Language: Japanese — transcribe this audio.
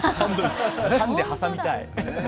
タンで挟みたい。